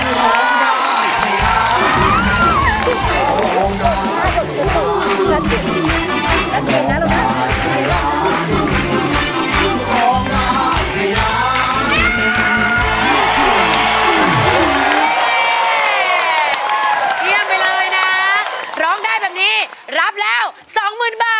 เรียนไปเลยนะร้องได้แบบนี้รับแล้วสองหมื่นบาท